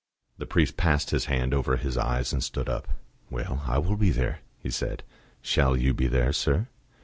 The priest passed his hand over his eyes and stood up. "Well, I will be there," he said. "Shall you be there, sir?"